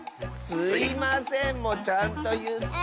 「すいません」もちゃんといって。